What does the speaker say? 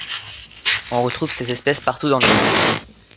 On retrouve ses espèces partout dans le monde.